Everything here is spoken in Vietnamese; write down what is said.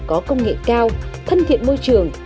có công nghệ cao thân thiện môi trường